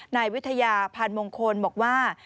นายวิทยาพันธ์มงคลบอกว่า